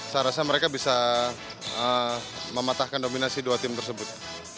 saya rasa mereka bisa mematahkan dominasi dua tim tersebut